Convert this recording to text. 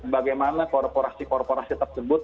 bagaimana korporasi korporasi tersebut